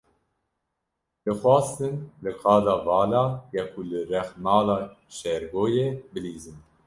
Dixwastin li qada vala ya ku li rex mala Şêrgo ye, bilîzin.